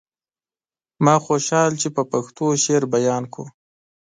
ما خوشحال چې په پښتو شعر بيان کړ.